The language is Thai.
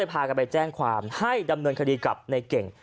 พากันไปแจ้งความให้ดำเนินคดีกับในเก่ง